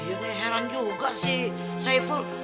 ini heran juga si saiful